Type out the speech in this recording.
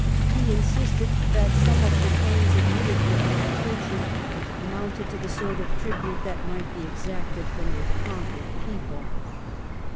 He insisted that some of the claims admitted for ar Stafford Henry Northcote, Earl o bitration amounted to the sort of tribute that might be exacted from a conquered people.